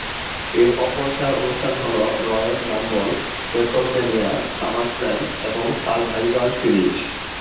এর অপর চার অনুষ্ঠান হলো রয়্যাল রাম্বল, রেসলম্যানিয়া, সামারস্ল্যাম এবং সার্ভাইভার সিরিজ।